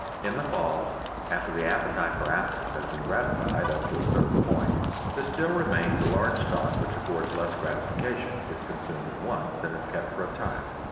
In the fall after the appetite for apples has been gratified up to a certain point, there still remains a large stock which affords less gratification if consumed at once than if kept for a time.